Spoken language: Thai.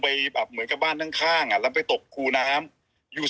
ไปแบบเหมือนกับบ้านข้างอ่ะแล้วไปตกคูน้ำอยู่